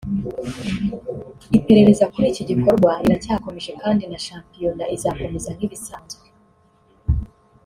iperereza kuri iki gikorwa riracyakomeje kandi na shampiyona izakomeza nk’ibisanzwe